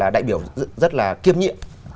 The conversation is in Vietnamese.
đại biểu rất là kiêm nhiệm